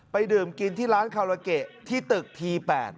ดื่มกินที่ร้านคาราเกะที่ตึกที๘